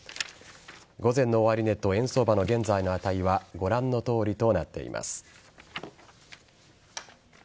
午前の終値と円相場の現在の値はご覧のとおりとなっています。